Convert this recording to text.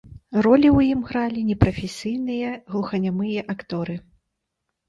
Ролі ў ім гралі непрафесійныя глуханямыя акторы.